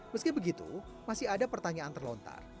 meski begitu masih ada pertanyaan terlontar